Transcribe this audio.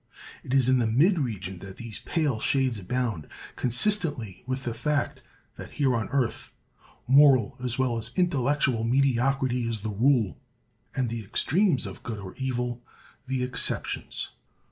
It is in the mid region that these pale shades abound, consistently with the fact that here on earth, moral as well as intellectual mediocrity is the rule, and extremes of good or evil the exceptions.